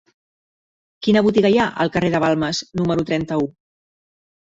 Quina botiga hi ha al carrer de Balmes número trenta-u?